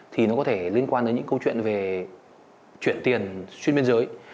thì nó có thể liên quan đến những câu chuyện về chuyển tiền xuyên biên giới